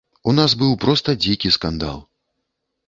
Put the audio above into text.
У нас быў проста дзікі скандал.